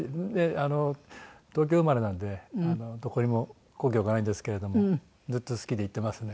東京生まれなんでどこにも故郷がないんですけれどもずっと好きで行ってますね。